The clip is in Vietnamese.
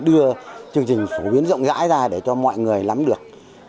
đưa chương trình phổ biến rộng rãi ra để cho mọi người lắm được